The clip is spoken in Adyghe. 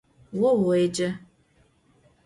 Vo vuêce.